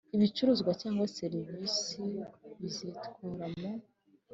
Ibicuruzwa cyangwa serivisi bizitwara mu